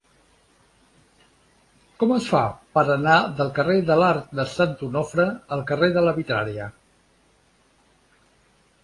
Com es fa per anar del carrer de l'Arc de Sant Onofre al carrer de la Vitrària?